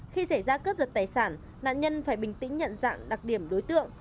khi xảy ra cướp giật tài sản nạn nhân phải bình tĩnh nhận dạng đặc điểm đối tượng